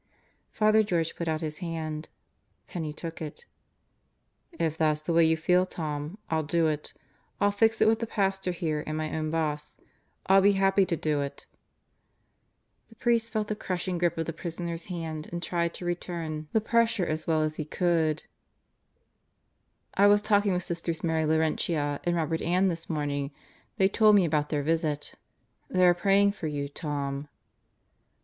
Father George put out his hand. Penney took it. "If that's the way you feel, Tom, I'll do it. I'll fix it with the pastor here and my own boss. I'll be happy to do it." The priest felt the crushing grip of the prisoner's hand and tried to return the 28 God Goes to Murderers Row pressure as well as he could. "I was talking with Sisters Mary Laurentia and Robert Ann this morning. They told me about their visit. They are praying for you, Tom."